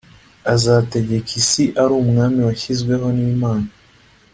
azategeka isi ari umwami washyizweho n imana